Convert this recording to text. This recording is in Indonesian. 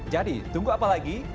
jadi tunggu apa lagi